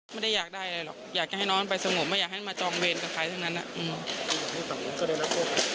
ไม่ได้อยากได้อะไรหรอกอยากให้น้องน้องไปสงบไม่อยากให้มาจองเวรกับใครทั้งนั้นนะ